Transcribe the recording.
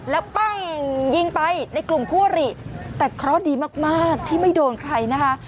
แล้วปั้งยิงไปในกลุ่มคั่วหรี่แต่เคราะห์ดีมากที่ไม่โดนใครนะคะ